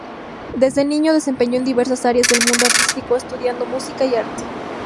Desde niño desempeñó en diversas áreas del mundo artístico estudiando música y arte.